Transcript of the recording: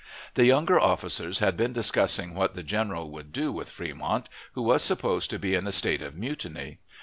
The younger officers had been discussing what the general would do with Fremont, who was supposed to be in a state of mutiny.